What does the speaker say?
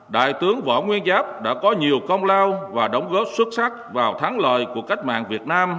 đại tướng võ nguyên giáp đã có nhiều công lao và đóng góp xuất sắc vào thắng lợi của cách mạng việt nam